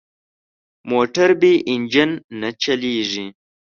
موټر بې انجن نه چلېږي.